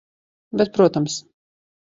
Bet protams.